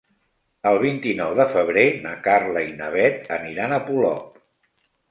El vint-i-nou de febrer na Carla i na Bet aniran a Polop.